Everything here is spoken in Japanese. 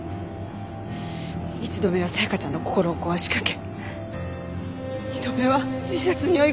一度目は沙也加ちゃんの心を壊しかけ二度目は自殺に追い込んだ。